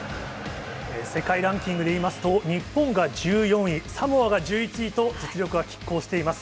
世界ランキングで言いますと、日本が１４位、サモアが１１位と、実力はきっ抗しています。